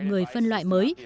người phân loại mới